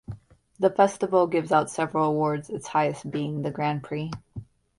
The festival gives out several awards, its highest being the Grand Prix.